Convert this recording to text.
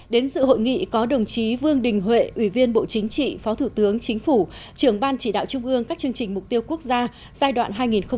đến sự hội nghị có đồng chí vương đình huệ ủy viên bộ chính trị phó thủ tướng chính phủ trưởng ban chỉ đạo trung ương các chương trình mục tiêu quốc gia giai đoạn hai nghìn một mươi sáu hai nghìn hai mươi